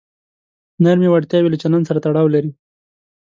نرمې وړتیاوې له چلند سره تړاو لري.